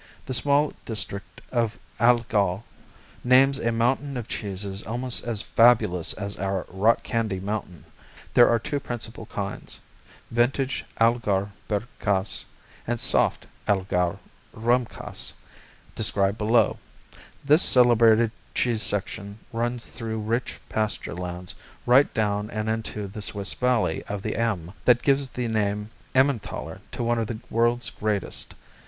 The small district of Allgäu names a mountain of cheeses almost as fabulous as our "Rock candy Mountain." There are two principal kinds, vintage Allgäuer Bergkäse and soft Allgäuer Rahmkäse, described below. This celebrated cheese section runs through rich pasture lands right down and into the Swiss Valley of the Emme that gives the name Emmentaler to one of the world's greatest.